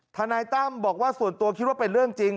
ทนายตั้มบอกว่าส่วนตัวคิดว่าเป็นเรื่องจริง